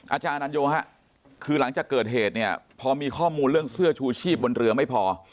อาจารย์อนันโยฮะคือหลังจากเกิดเหตุเนี่ยพอมีข้อมูลเรื่องเสื้อชูชีพบนเรือไม่พอ